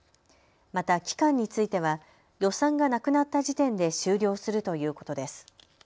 また期間については予算がなくなった時点で終了するということです。